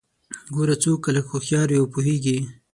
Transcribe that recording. ګوره څوک که لږ هوښيار وي او پوهیږي